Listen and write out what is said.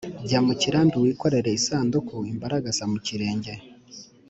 jya mu kirambi wikorere isanduku-imbaragasa mu kirenge.